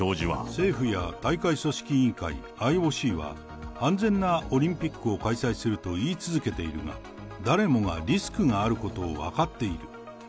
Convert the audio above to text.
政府や大会組織委員会、ＩＯＣは、安全なオリンピックを開催すると言い続けているが、誰もがリスクがあることを分かっている。